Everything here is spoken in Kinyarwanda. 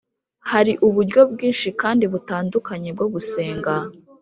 Hari uburyo bwinshi kandi butandukanye bwo gusenga